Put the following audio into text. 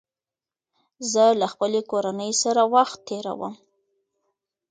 زه له خپلې کورنۍ سره وخت تېروم